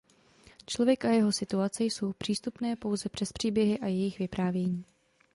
Člověk a jeho situace jsou přístupné pouze přes příběhy a jejich vyprávění.